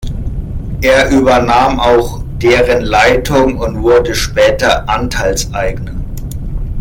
Er übernahm auch deren Leitung und wurde später Anteilseigner.